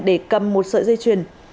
để cầm một sợi dây truyền